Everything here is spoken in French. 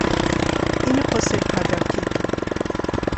Il ne possède pas d'article.